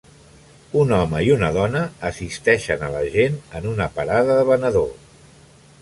Un home i una dona assisteixen a la gent en una parada de venedor.